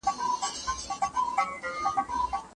ځيني له هماغي بنديخانې څخه شاهي دربار ته ولاړل.